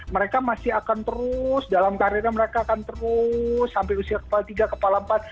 mereka masih akan terus dalam karirnya mereka akan terus sampai usia kepala tiga kepala empat